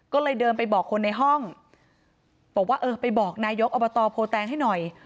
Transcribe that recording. ก็เลยเดินไปบอกคนในห้องบอกว่าเออไปบอกนายกอบตโพแตงให้หน่อย